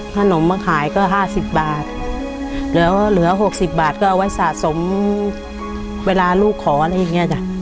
ขนมมาขายก็๕๐บาทเหลือ๖๐บาทก็เอาไว้สะสมเวลาลูกขออะไรอย่างนี้จ้ะ